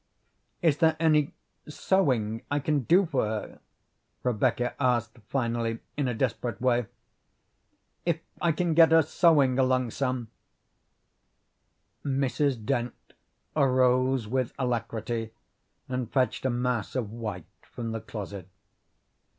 "Is there any sewing I can do for her?" Rebecca asked finally in a desperate way. "If I can get her sewing along some " Mrs. Dent arose with alacrity and fetched a mass of white from the closet.